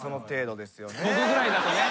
僕ぐらいだとね。